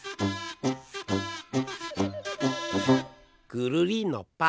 くるりんのぱ！